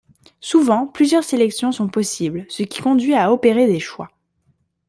Souvent, plusieurs sélections sont possibles, ce qui conduit à opérer des choix.